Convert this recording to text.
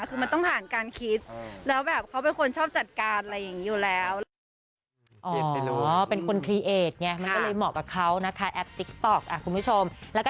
คือมันต้องผ่านการคิดแล้วแบบเขาเป็นคนชอบจัดการอะไรอย่างนี้อยู่แล้ว